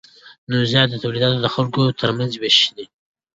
توزیع د تولیداتو د خلکو ترمنځ ویش دی.